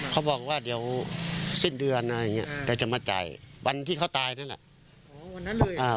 เขาบอกว่าเดี๋ยวสิ้นเดือนอะไรอย่างเงี้ยเดี๋ยวจะมาจ่ายวันที่เขาตายนั่นแหละ